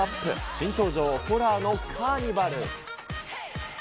新登場、ホラーのカーニバル。